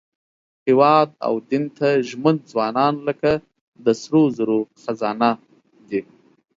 هېواد او دین ته ژمن ځوانان لکه د سرو زرو خزانه دي.